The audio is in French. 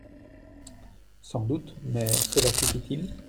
Sans doute, mais cela suffit-Il ?